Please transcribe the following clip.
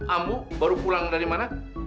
amu baru pulang dari mana